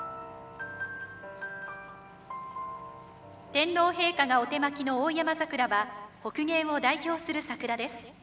天皇陛下がお手播きのオオヤマザクラは北限を代表するサクラです。